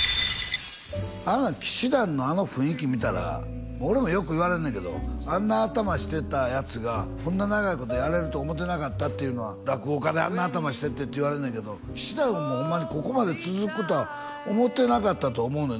氣志團のあの雰囲気見たら俺もよく言われんねんけどあんな頭してたヤツがこんな長いことやれると思ってなかったっていうのは落語家であんな頭しててって言われんねんけど氣志團もホンマにここまで続くとは思ってなかったと思うのよ